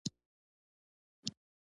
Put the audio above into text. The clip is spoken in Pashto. یو څه وڅښه، نور نو باید ولاړ شم.